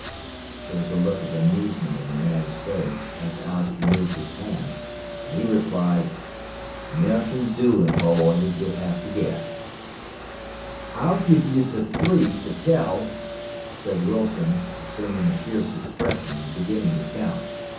There was a look of amusement in the man's face as Alex removed his hand, and he replied, "Nothin' doin', boys. You'll have to guess." "I'll give you three, to tell," said Wilson, assuming a fierce expression and beginning to count.